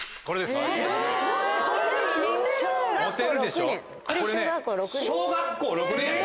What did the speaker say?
これ小学校６年。